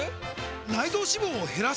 内臓脂肪を減らす！？